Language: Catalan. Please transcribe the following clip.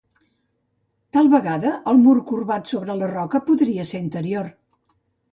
Tal vegada el mur corbat sobre la roca podria ser anterior.